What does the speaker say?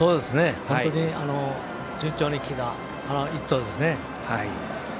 本当に順調にきた１頭ですね。